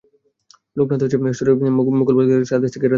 লোকনাথ স্টোরের মালিক খোকন পাল জানালেন, এখানে সারা দেশ থেকে ক্রেতারা আসেন।